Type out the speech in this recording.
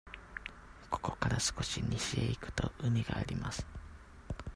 ここから少し西へ行くと、海があります。